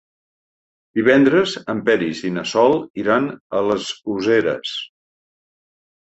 Divendres en Peris i na Sol iran a les Useres.